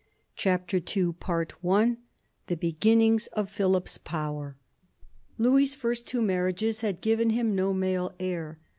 CHAPTER II THE BEGINNINGS OF PHILIP'S POWER Louis's first two marriages had given him no male heir.